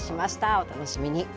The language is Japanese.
お楽しみに。